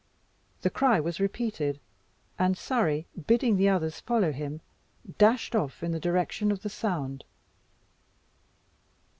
The cry was repeated, and Surrey, bidding the others follow him, dashed off in the direction of the sound.